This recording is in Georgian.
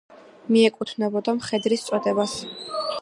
მიეკუთვნებოდა მხედრის წოდებას.